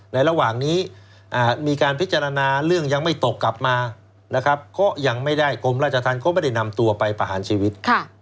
ระหว่างนี้มีการพิจารณาเรื่องยังไม่ตกกลับมานะครับก็ยังไม่ได้กรมราชธรรมก็ไม่ได้นำตัวไปประหารชีวิต